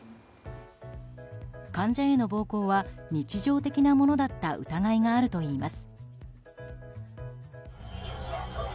患者への暴行は日常的なものだった疑いがあるといいます。